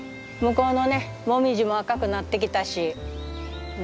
向こうのねモミジも赤くなってきたし。